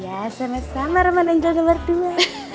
ya sama sama roman dan jokowi berdua